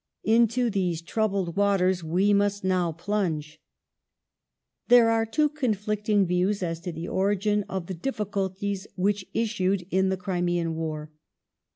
Into these troubled watei's we must now plunge. ^~ There are two conflicting views as to the origin of the diffi The Cri culties which issued in the Crimean War.